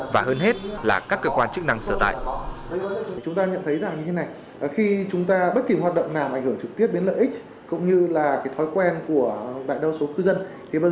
và hơn hết là các cơ quan chức năng sở tại